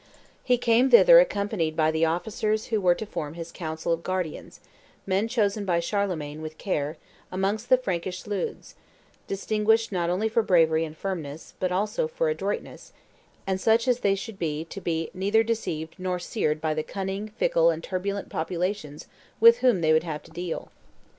He came thither accompanied by the officers who were to form his council of guardians, men chosen by Charlemagne, with care, amongst the Frankish 'leudes,' distinguished not only for bravery and firmness, but also for adroitness, and such as they should be to be neither deceived nor seared by the cunning, fickle, and turbulent populations with whom they would have to deal."